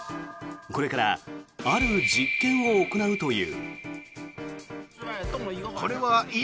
これからある実験を行うという。